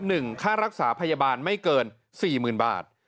หนึ่งค่ารักษาพยาบาลไม่เกิน๔๐๐๐๐บาท